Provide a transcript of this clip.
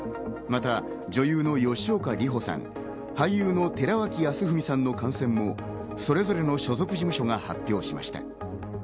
また女優の吉岡里帆さん、俳優の寺脇康文さんの感染もそれぞれの所属事務所が発表しました。